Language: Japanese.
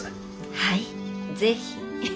はい是非。